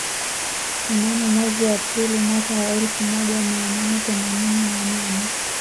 Mnamo mwezi Aprili mwaka wa elfu moja mia nane themanini na nane